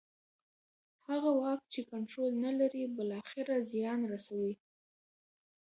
هغه واک چې کنټرول نه لري بالاخره زیان رسوي